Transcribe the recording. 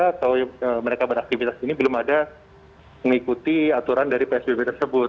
atau mereka beraktivitas ini belum ada mengikuti aturan dari psbb tersebut